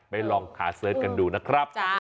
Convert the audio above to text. ลองขาเสิร์ชกันดูนะครับ